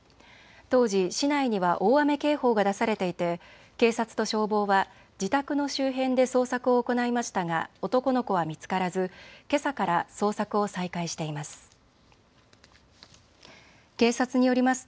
当時、市内には大雨警報が出されていて警察と消防は自宅の周辺で捜索を行いましたが男の子は見つからず、けさから捜索を再開しています。